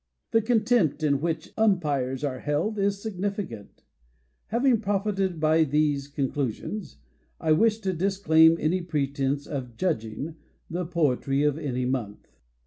The contempt in which um pires are held is significant.. .. Hav ing profited by these conclusions, I wish to disclaim any pretense of "judging" the poetry of any month.